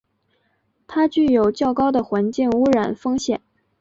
它具有较高的环境污染风险。